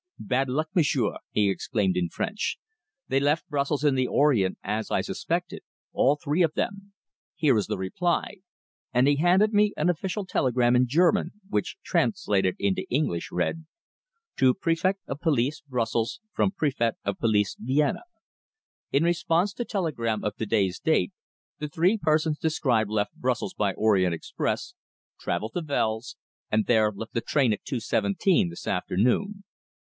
"Bad luck, m'sieur!" he exclaimed in French. "They left Brussels in the Orient, as I suspected all three of them. Here is the reply," and he handed me an official telegram in German, which translated into English read: "To Préfet of Police, Brussels, from Préfet of Police, Vienna: "In response to telegram of to day's date, the three persons described left Brussels by Orient Express, travelled to Wels, and there left the train at 2.17 this afternoon.